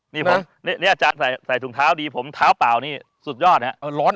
นี่ผมเนี่ยอาจารย์ใส่ถุงเท้าดีผมเท้าเปล่านี่สุดยอดนะครับ